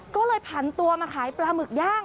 ก็เลยผันตัวมาขายปลาหมึกย่าง